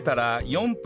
４分。